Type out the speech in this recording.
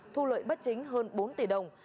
thu lợi bất chính hơn bốn tỷ đồng